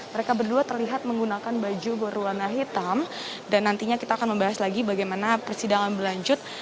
mereka berdua terlihat menggunakan baju berwarna hitam dan nantinya kita akan membahas lagi bagaimana persidangan berlanjut